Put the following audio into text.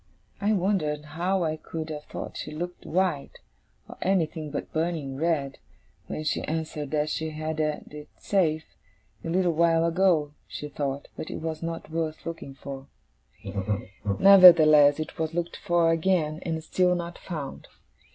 I wondered how I could have thought she looked white, or anything but burning red, when she answered that she had had it safe, a little while ago, she thought, but it was not worth looking for. Nevertheless, it was looked for again, and still not found.